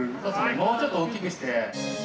もうちょっと大きくして。